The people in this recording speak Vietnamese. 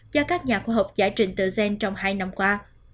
do các nhà khoa học giải trình tự gen trong hai năm qua